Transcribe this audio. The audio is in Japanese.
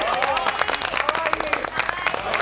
かわいい。